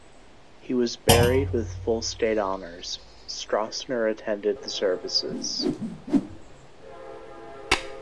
He was buried with full state honours; Stroessner attended the services.